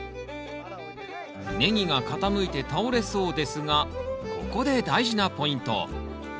ネギが傾いて倒れそうですがここで大事なポイント。